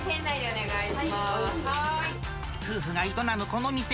夫婦が営むこの店。